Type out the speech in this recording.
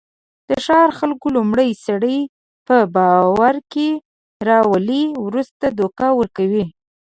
د ښار خلک لومړی سړی په باورکې راولي، ورسته دوکه ورکوي.